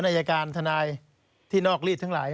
อายการทนายที่นอกรีดทั้งหลาย